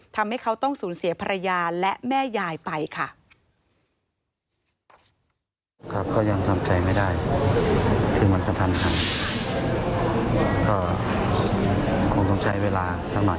ทำให้เขาต้องสูญเสียภรรยาและแม่ยายไปค่ะ